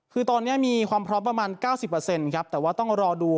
คือตอนนี้มีความพร้อมประมาณเก้าสิบเปอร์เซ็นต์ครับแต่ว่าต้องรอดู